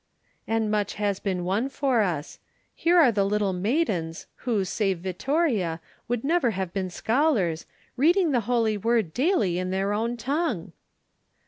"And much has been won for us. Here are the little maidens, who, save Vittoria, would never have been scholars, reading the Holy Word daily in their own tongue."